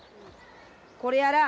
これやらあ。